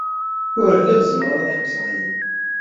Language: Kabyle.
Ur lliɣ zemreɣ ad ḥebseɣ aya.